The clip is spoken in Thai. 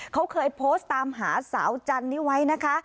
เขาเคยโพสต์ตามหาสาวจันนี้ไว้นะคะ